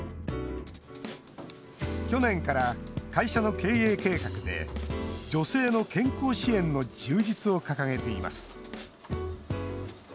去年から会社の経営計画で女性の健康支援の充実を掲げています。